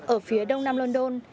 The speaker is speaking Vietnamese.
ở phía đông nam london